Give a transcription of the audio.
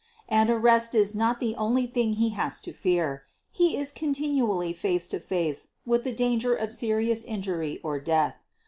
And arrest is not the only thing he has to fear — he is continually face to face with the danger of serious injury or death.